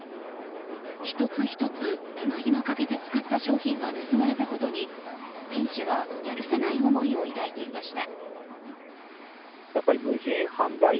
１つ１つ、手間暇かけて作った商品が盗まれたことに店主は、やるせない思いを抱いていました。